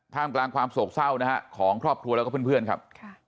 กลางกลางความโศกเศร้านะฮะของครอบครัวแล้วก็เพื่อนครับ